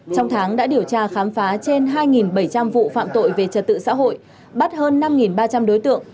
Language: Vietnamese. trong tháng đã điều tra khám phá trên hai bảy trăm linh vụ phạm tội về trật tự xã hội bắt hơn năm ba trăm linh đối tượng